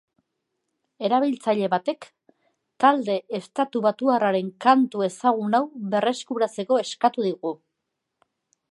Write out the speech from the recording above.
Erabiltzaile batek talde estatubatuarraren kantu ezagun hau berreskuratzeko eskatu digu.